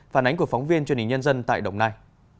phản ánh của phóng viên truyền hình nhân dân tại đồng nai